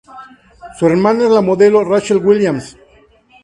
Su hermana es la modelo Rachel Williams.